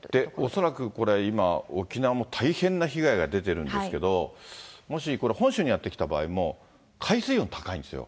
恐らくこれ、今、沖縄も大変な被害が出てるんですけど、もしこれ、本州にやって来た場合も、海水温高いんですよ。